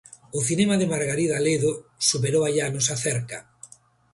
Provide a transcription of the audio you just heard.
O cinema de Margarita Ledo superou hai anos a cerca.